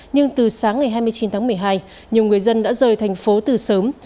nhưng từ sáng ngày hai mươi chín tháng một mươi hai nhiều người dân đã rời thành phố từ sớm